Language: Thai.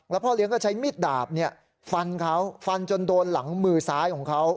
พ่อเลี้ยงก็ใช้มีดดาบฟันเขาฟันจนโดนหลังมือซ้ายของเขา